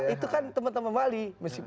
itu kan teman teman bang ali